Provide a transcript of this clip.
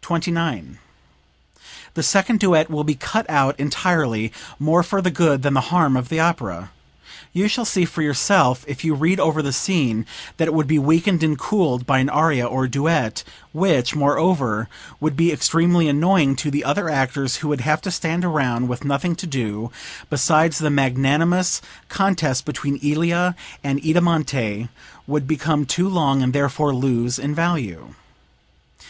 K.]) 29. "The second duet will be cut out entirely more for the good than the harm of the opera. You shall see for yourself, if you read over the scene, that it would be weakened and cooled by an aria or duet, which, moreover, would be extremely annoying to the other actors who would have to stand around with nothing to do; besides the magnanimous contest between 'Ilia' and 'Idamante' would become too long and therefore lose in value."